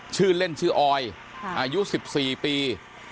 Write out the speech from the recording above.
ชื่อเล่นชื่อออยอายุ๑๔ปี